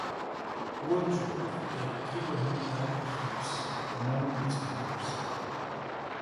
Woodsworth and Abraham Albert Heaps among its members.